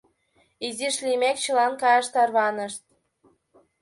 Изиш лиймек, чылан каяш тарванышт.